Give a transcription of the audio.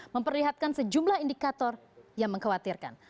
memperlihatkan sejumlah indikator yang mengkhawatirkan